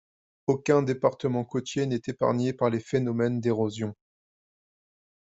Aucun département côtier n’est épargné par les phénomènes d’érosion.